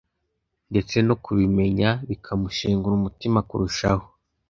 ndetse mu kubimenya bikamushengura umutima kurushaho.